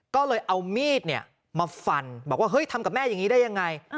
ก็เลยเอามีดเนี่ยมาฟันบอกว่าเฮ้ยทำกับแม่อย่างนี้ได้ยังไง